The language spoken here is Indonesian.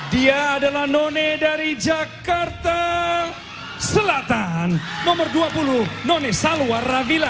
dia adalah none dari jakarta selatan nomor dua puluh none saluar rabila